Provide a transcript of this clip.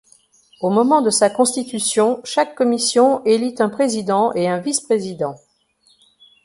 Au moment de sa constitution, chaque commission élit un président et un vice-président.